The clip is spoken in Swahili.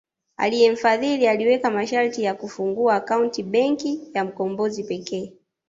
Aliyemfadhili aliweka masharti ya kufungua akaunti Benki ya Mkombozi pekee